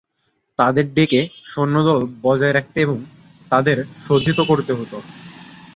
তাদের ডেকে সৈন্যদল বজায় রাখতে এবং তাদের সজ্জিত করতে হতো।